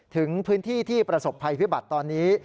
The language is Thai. ถึงพื้นที่ที่ประสบภัยพิบัติตอนนี้